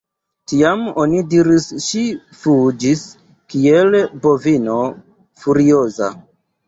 Tiam, oni diris ŝi fuĝis kiel bovino furioza.